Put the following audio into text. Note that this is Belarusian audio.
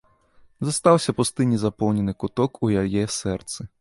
Застаўся пусты незапоўнены куток у яе сэрцы.